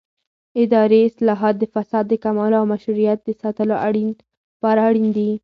اداري اصلاحات د فساد د کمولو او مشروعیت د ساتلو لپاره اړین دي